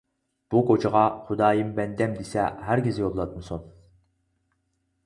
بۇ كوچىغا خۇدايىم بەندەم دېسە ھەرگىز يولاتمىسۇن!